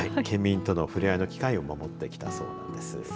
県民との触れ合いの機会を守ってきたそうです。